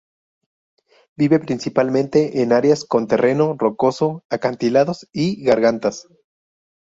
Vive principalmente en áreas con terreno rocoso, acantilados y gargantas.